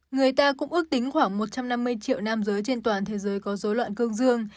người ta cũng ước tính khoảng một trăm năm mươi triệu nam giới trên toàn thế giới có dối loạn cương dương